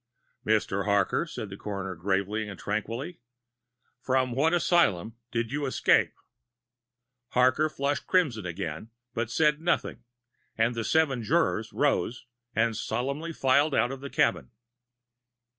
"Mr. Harker," said the coroner, gravely and tranquilly, "from what asylum did you last escape?" Harker flushed crimson again, but said nothing, and the seven jurors rose and solemnly filed out of the cabin.